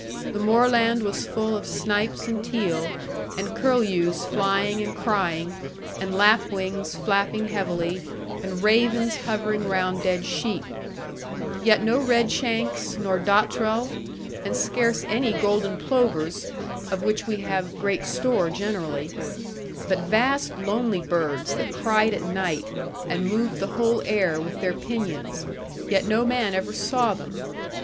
The moorland was full of snipes and teal, and curlews flying and crying, and lapwings flapping heavily, and ravens hovering round dead sheep; yet no redshanks nor dottrell, and scarce any golden plovers (of which we have great store generally) but vast lonely birds, that cried at night, and moved the whole air with their pinions; yet no man ever saw them.